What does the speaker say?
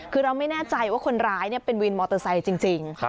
คือเราไม่แน่ใจว่าคนร้ายเป็นวินมอเตอร์ไซค์จริง